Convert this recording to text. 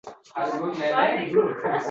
Ular biz o‘zimizcha berolmaymiz degan